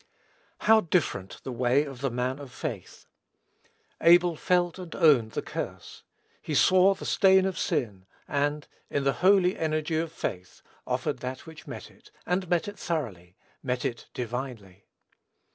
How different the way of the man of faith! Abel felt and owned the curse; he saw the stain of sin, and, in the holy energy of faith, offered that which met it, and met it thoroughly, met it divinely.